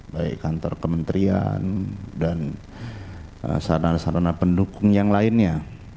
baik kantor kementerian dan sarana sarana pendukung yang lainnya